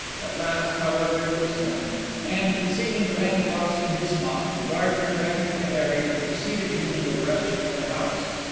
At last, however, it was done; and, concealing the bandbox in his smock, the gardener beckoned to Harry and preceded him in the direction of the house.